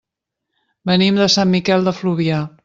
Venim de Sant Miquel de Fluvià.